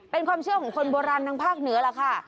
เป็นความเชื่อของคนโบราณทางภาคเหนือล่ะค่ะ